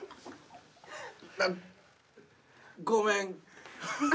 ごめん